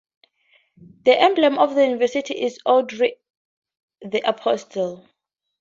The emblem of the university is Andrew the Apostle.